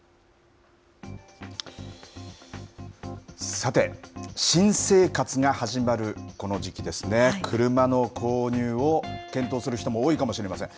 さて、新生活が始まるこの時期ですね、車の購入を検討する人も多いかもしれません。